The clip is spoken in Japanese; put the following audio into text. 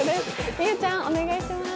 美羽ちゃん、お願いします。